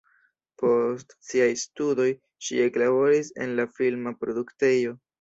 Post siaj studoj ŝi eklaboris en la filma produktejo.